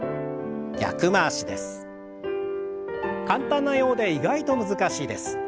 簡単なようで意外と難しいです。